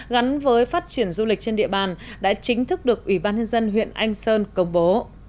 gắn với phát triển du lịch trên địa bàn đã chính thức được ủy ban nhân dân huyện anh sơn công bố